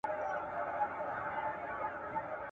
خالق دي مل سه ګرانه هیواده !.